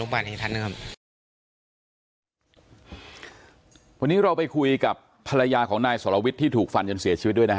วันนี้เราไปคุยกับภรรยาของนายสรวิทย์ที่ถูกฟันจนเสียชีวิตด้วยนะฮะ